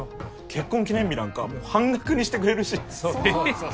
結婚記念日なんか半額にしてくれるしそうそう！